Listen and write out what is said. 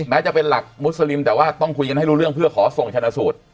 แม้จะเป็นหลักมุสลิมแต่ว่าต้องคุยกันให้รู้เรื่องเพื่อขอส่งชนะสูตร